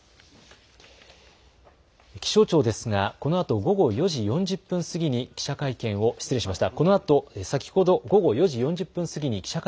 気象庁ですが先ほど午後４時４０分過ぎに記者会見を行いました。